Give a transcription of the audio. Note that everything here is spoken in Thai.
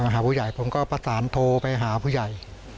หาผู้ใหญ่ผมก็ประสานโทรไปหาผู้ใหญ่